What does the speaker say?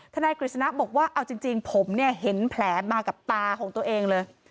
นายกฤษณะบอกว่าเอาจริงผมเนี่ยเห็นแผลมากับตาของตัวเองเลย